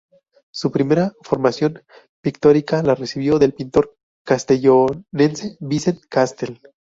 Su primera formación pictórica la recibió del pintor castellonense Vicent Castell.